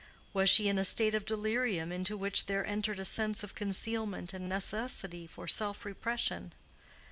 Was she in a state of delirium into which there entered a sense of concealment and necessity for self repression?